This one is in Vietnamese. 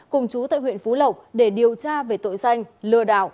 cùng chú tại huyện phú lộc để điều tra về tội danh lừa đảo